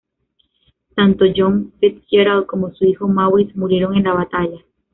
Tanto John Fitzgerald como su hijo, Maurice, murieron en la batalla.